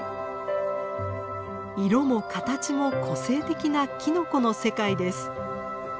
色も形も個性的なキノコの世界です。